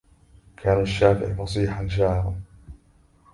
كان الشافعي فصيحاً شاعراً،